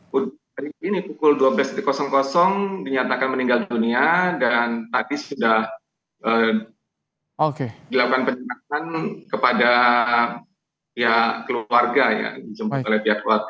pada hari ini pukul dua belas dinyatakan meninggal dunia dan tadi sudah dilakukan penyekatan kepada pihak keluarga ya dijemput oleh pihak keluarga